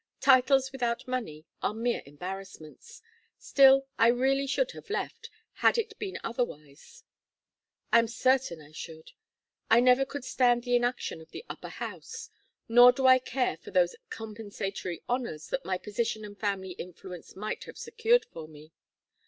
Titles without money are mere embarrassments. Still, I really should have left, had it been otherwise I am certain I should. I never could stand the inaction of the Upper House. Nor do I care for those compensatory honors that my position and family influence might have secured for me.